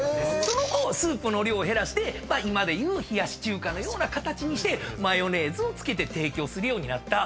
その後スープの量を減らして今で言う冷やし中華のような形にしてマヨネーズを付けて提供するようになった。